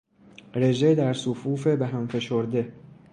رژه در صفوف به هم فشرده